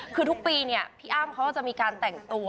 คือทุกปีเนี่ยพี่อ้ำเขาก็จะมีการแต่งตัว